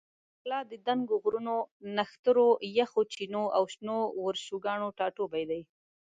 شانګله د دنګو غرونو، نخترو، یخو چینو او شنو ورشوګانو ټاټوبے دے